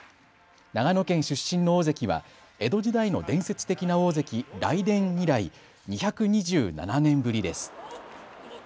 長野県出身の大関は江戸時代の伝説的な大関・雷電以来２２７年ぶりです。